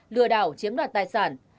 lừa đảo chiếm đoạt tài sản